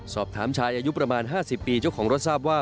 สอบถามชายอายุประมาณ๕๐ปีเจ้าของรถทราบว่า